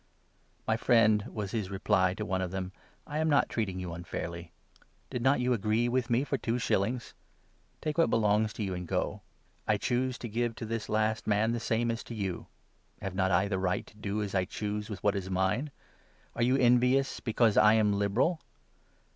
' My friend,' was his reply to one of them, ' I am not treat 13 ing you unfairly. Did not you agree with me for two shillings ? Take what belongs to you, and go. I choose to give to this 14 last man the same as to you. Have not I the right to do as I 15 choose with what is mine ? Are you envious because I am liberal